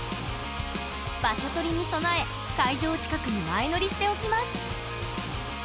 場所取りに備え会場近くに前乗りしておきます！